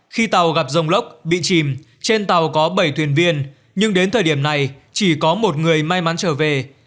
khi tàu gặp rông lốc bị chìm trên tàu có bảy thuyền viên nhưng đến thời điểm này chỉ có một người may mắn trở về